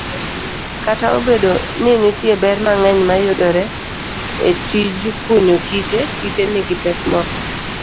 Kata obedo ninitie ber mang'eny mayudore etijkunyo kite, kite nigi pek moko.